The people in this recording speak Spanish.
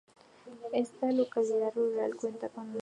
Esta localidad rural cuenta con un aeródromo.